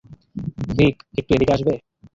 ভিক, একটু এদিকে আসবে?